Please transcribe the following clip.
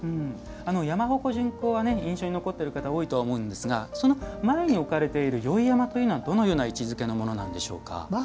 山鉾巡行は印象に残っている方多いと思いますがその前に置かれている宵山というのは、どのような位置づけのものでしょうか。